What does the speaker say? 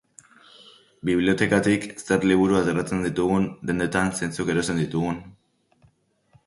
Biblioteketatik zer liburu ateratzen ditugun, dendetan zeintzuk erosten ditugun.